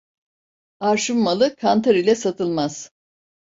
Arşın malı kantar ile satılmaz.